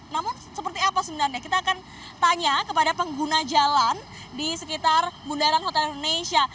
namun seperti apa sebenarnya kita akan tanya kepada pengguna jalan di sekitar bundaran hotel indonesia